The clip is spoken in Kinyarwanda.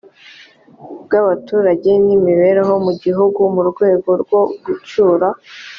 bw abaturage n imibereho mu gihugu mu rwego rwo gucyura